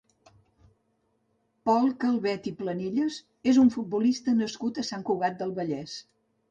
Pol Calvet i Planellas és un futbolista nascut a Sant Cugat del Vallès.